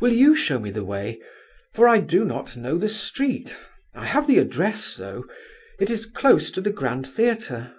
Will you show me the way, for I do not know the street? I have the address, though; it is close to the Grand Theatre."